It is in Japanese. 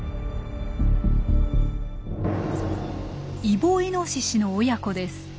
イボイノシシの親子です。